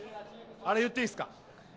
あれ、言っていいですか。